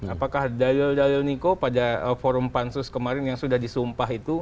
apakah dalil dalil niko pada forum pansus kemarin yang sudah disumpah itu